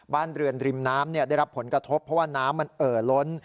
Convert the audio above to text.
บ้านเรือนริมน้ำได้รับผลกระทบเพราะว่าน้ำมันเอ่อล้น